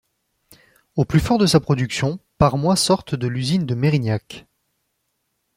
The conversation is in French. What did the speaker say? Au plus fort de sa production, par mois sortent de l'usine de Mérignac.